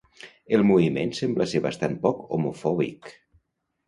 El moviment sembla ser bastant poc homofòbic.